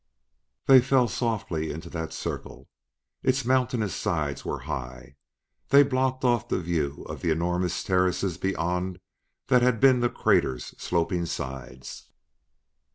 They fell softly into that circle. Its mountainous sides were high; they blocked off the view of the enormous terraces beyond that had been the crater's sloping sides.